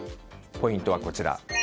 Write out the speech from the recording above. ポイントはこちら。